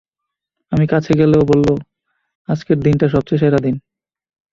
আমি কাছে গেলে ও বলল, আজকের দিনটা সবচেয়ে সেরা দিন।